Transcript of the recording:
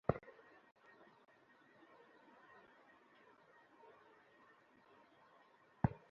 হ্যাঁ, সস্তার মধ্যেই করে দিয়েন।